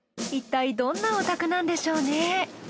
いったいどんなお宅なんでしょうね？